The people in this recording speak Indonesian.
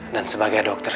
dan sebagai dokter